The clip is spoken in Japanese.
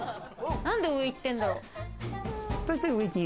なんで上行ってんだろう？